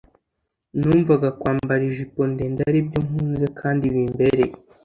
numvaga kwambara ijipo ndende ari byo nkunze kandi bimbereye”